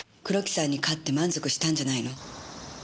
黒木さんに勝って満足したんじゃないの？